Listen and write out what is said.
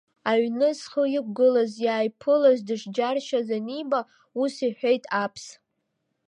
Аҩны зхы иқәгылаз иааиԥылаз дышџьаршьаз аниба, ус иҳәеит Аԥс.